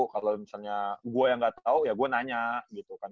kalau misalnya gue yang gak tau ya gue nanya gitu kan